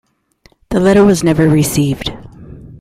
The letter was never received.